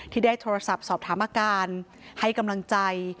ที่ได้โทรศัพท์สอบถามอาการให้กำลังใจ